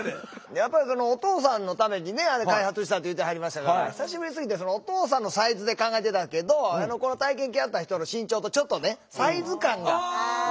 やっぱりお父さんのためにあれ開発したって言うてはりましたから久しぶりすぎてそのお父さんのサイズで考えてたけどこの体験来はった人の身長とちょっとねサイズ感が合わなくて。